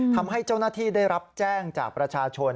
ทำให้เจ้าหน้าที่ได้รับแจ้งจากประชาชน